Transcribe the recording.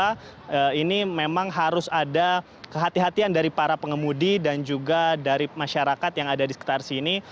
karena ini memang harus ada kehatian kehatian dari para pengemudi dan juga dari masyarakat yang ada di sekitar sini